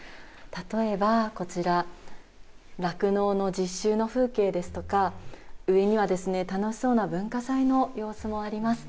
例えば、こちら、酪農の実習の風景ですとか、上には、楽しそうな文化祭の様子もあります。